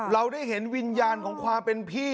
เราได้เห็นวิญญาณของความเป็นพี่